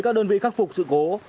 các đơn vị khắc phục sự cố